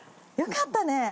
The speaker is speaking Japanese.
よかったね？